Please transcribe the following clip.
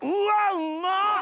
うまっ！